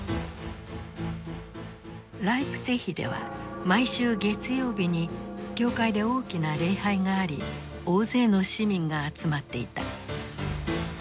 ライプツィヒでは毎週月曜日に教会で大きな礼拝があり大勢の市民が集まっていた。